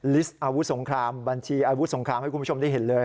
ลิสต์อาวุธสงครามบัญชีอาวุธสงครามให้คุณผู้ชมได้เห็นเลย